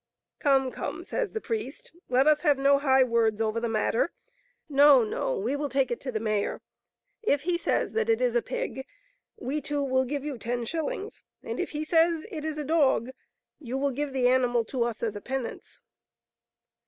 " Come, come, says the priest, " let us have no high words over the matter. No, no ; we will take it to the mayor. If he says that it is a pig we two will give you ten shillings ; and if he says it is a dog, you will give the animal to us as a penance.